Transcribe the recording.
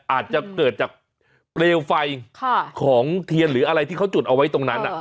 อาจจะเกิดจากเปลวไฟของเทียนหรืออะไรที่เขาจุดเอาไว้ตรงนั้น